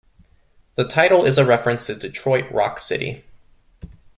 The title is a reference to Detroit Rock City.